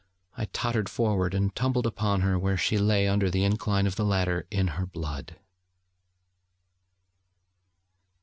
I tottered forward, and tumbled upon her, where she lay under the incline of the ladder in her blood.